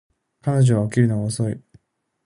彼女は起きるのが遅い